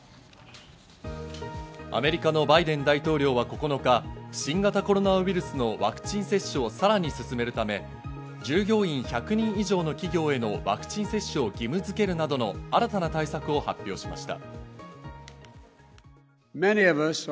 アメリカのバイデン大統領は９日、新型コロナウイルスのワクチン接種をさらに進めるため、従業員１００人以上の企業へのワクチン接種を義務づけるなどの新たな対策を発表しました。